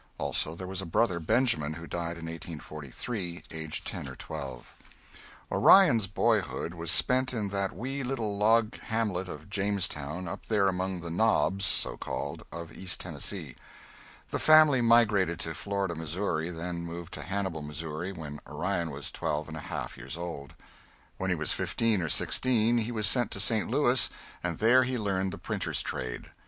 Also there was a brother, Benjamin, who died in 1848 aged ten or twelve. [Sidenote: (1843.)] Orion's boyhood was spent in that wee little log hamlet of Jamestown up there among the "knobs" so called of East Tennessee. The family migrated to Florida, Missouri, then moved to Hannibal, Missouri, when Orion was twelve and a half years old. When he was fifteen or sixteen he was sent to St. Louis and there he learned the printer's trade.